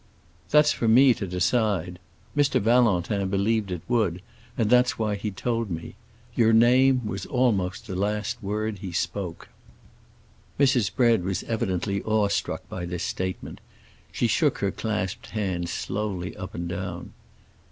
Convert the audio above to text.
"That's for me to decide. Mr. Valentin believed it would, and that's why he told me. Your name was almost the last word he spoke." Mrs. Bread was evidently awe struck by this statement; she shook her clasped hands slowly up and down.